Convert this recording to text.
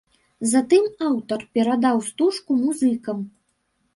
Затым аўтар перадаў стужку музыкам.